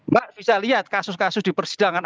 mbak bisa lihat kasus kasus di persidangan